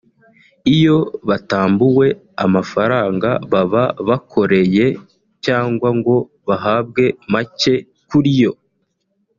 iyo batambuwe amafaranga baba bakoreye cyangwa ngo bahabwe macye kuri yo